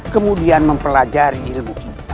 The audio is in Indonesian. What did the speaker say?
kemudian mempelajari ilmu kita